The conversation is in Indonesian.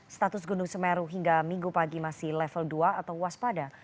status gunung semeru hingga minggu pagi masih level dua atau waspada